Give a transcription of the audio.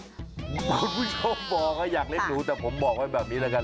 คนผู้ชมบอกว่าอยากเลี้ยงหนูแต่ผมบอกว่าแบบนี้ละกัน